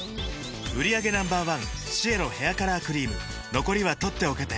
売上№１シエロヘアカラークリーム残りは取っておけて